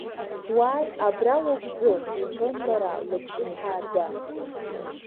Уааи, абра уагәӡы, — лҳәон лара, лыбжьы ҭааӡа.